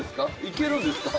いけるんですか？